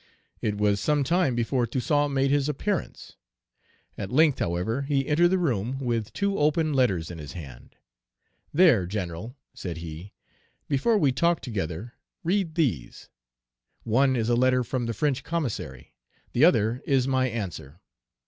It was some time before Toussaint made his appearance; at length, however, he entered the room with two open letters in his hand. 'There, General,' said he, 'before we talk together, read these. One is a letter from the French commissary, the other is my answer.